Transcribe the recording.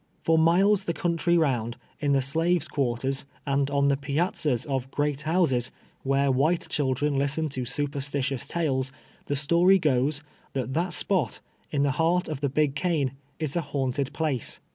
For miles the country round, in the slaves' quarters, and on the piazzas of " great houses," where Avhite children listen to superstitious tales, the story goes, that that spot, in the heart of the " liig Cane," is a liaunted place.